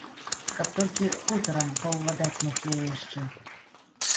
Каб толькі хутарам паўладаць мог я яшчэ.